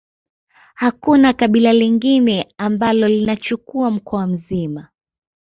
Hakuna kabila lingine ambalo linachukua mkoa mzima